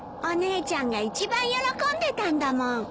お姉ちゃんが一番喜んでたんだもん。